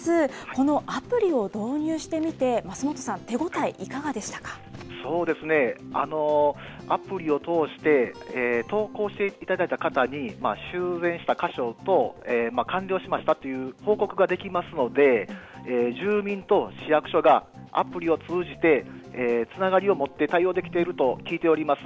このアプリを導入してみて、増本そうですね、アプリを通して、投稿していただいた方に、修繕した箇所と完了しましたという報告ができますので、住民と市役所がアプリを通じてつながりを持って対応できていると聞いております。